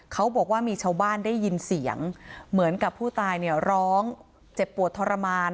เขาบอกว่ามีชาวบ้านได้ยินเสียงเหมือนกับผู้ตายเนี่ยร้องเจ็บปวดทรมาน